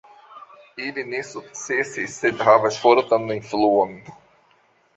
Ili ne sukcesis sed havas fortan influon.